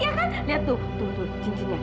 ya kan lihat tuh tuh tuh cincinnya